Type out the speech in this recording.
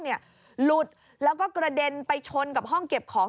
หลุดแล้วก็กระเด็นไปชนกับห้องเก็บของ